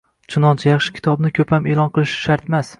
Chunonchi, yaxshi kitobni ko‘pam e’lon qilish shartmas.